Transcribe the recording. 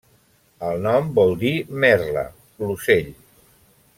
El nom vol dir merla, l’ocell.